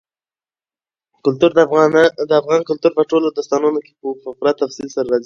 کلتور د افغان کلتور په ټولو داستانونو کې په پوره تفصیل سره راځي.